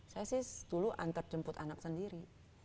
saya sih dulu antar jemput anak sendiri